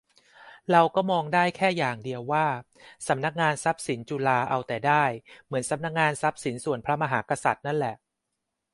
เราก็มองได้แค่อย่างเดียว ว่าสนง.ทรัพย์สินจุฬาเอาแต่ได้ เหมือนสนง.ทรัพย์สินส่วนพระมหากษัตริย์นั่นแหละ